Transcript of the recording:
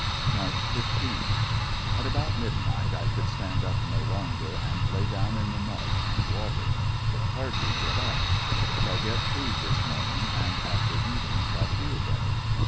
March 15. — At about midnight I could stand up no longer, and lay down in the mud and water. Could hardly get up. Shall get food this morning, and after eatim^r shall feel better.